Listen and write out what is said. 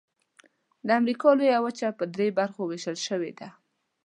د امریکا لویه وچه په درې برخو ویشل شوې ده.